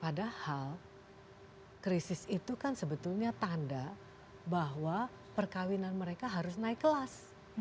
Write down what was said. padahal krisis itu kan sebetulnya tanda bahwa perkawinan mereka harus naik kelas